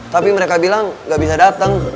tapi mereka bilang gak bisa datang